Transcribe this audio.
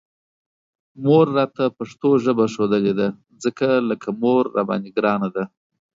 مور راته پښتو ژبه ښودلې ده، ځکه لکه مور راباندې ګرانه ده